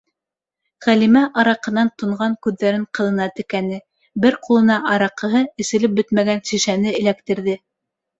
- Ғәлимә араҡынан тонған күҙҙәрен ҡыҙына текәне, бер ҡулына араҡыһы эселеп бөтмәгән шешәне эләктерҙе.